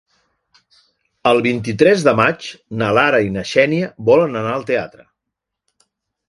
El vint-i-tres de maig na Lara i na Xènia volen anar al teatre.